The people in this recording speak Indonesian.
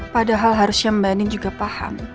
padahal harusnya mbak nin juga paham